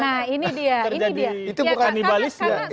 nah ini dia itu bukan kanibalis ya